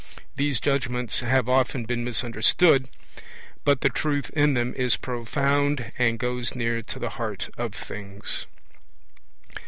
These judgements have often been misunderstood, but the truth in them is profound and goes near to the heart of things.